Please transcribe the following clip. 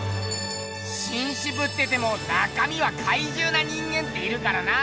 しんしぶってても中みはかいじゅうな人間っているからな。